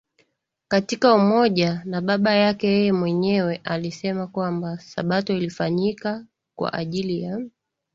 katika Umoja na Baba yake Yeye Mwenyewe alisema kwamba Sabato ilifanyika kwa ajili ya